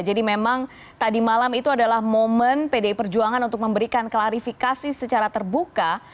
jadi memang tadi malam itu adalah momen pdi perjuangan untuk memberikan klarifikasi secara terbuka